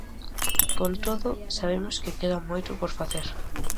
Con todo, sabemos que queda moito por facer.